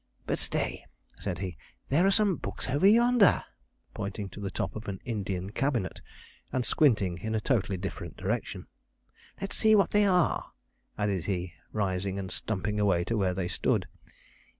'But stay,' said he, 'there are some books over yonder,' pointing to the top of an Indian cabinet, and squinting in a totally different direction. 'Let's see what they are,' added he, rising, and stumping away to where they stood.